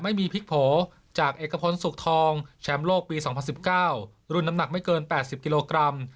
ไม่มีพลิกโผล่จากเอกพลสุขทองแชมป์โลกปี๒๐๑๙รุ่นน้ำหนักไม่เกิน๘๐กิโลกรัม